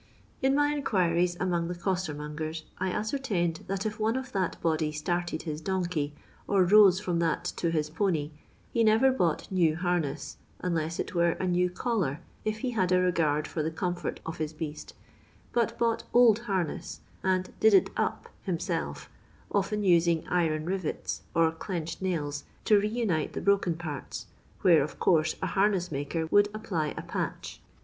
In my inquiries among the costermongers I ascertained that if one of that body started his donkey, or rose from that to his pony, he never bought new harness, unless it were a new collar if he had a regard for the comfort of his beast, but bought old harness, and "did it up" himself, often using iron rivetSi or clenched nails, to reunite the broken parts, where, of course, a harness maker would apply a patch.